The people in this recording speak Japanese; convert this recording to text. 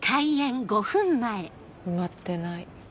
埋まってない。